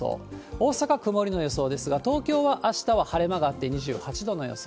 大阪は曇りの予想ですが、東京はあしたは晴れ間があって２８度の予想。